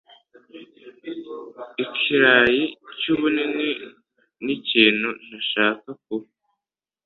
Ikirayi cyuburiri nikintu ntashaka kuba.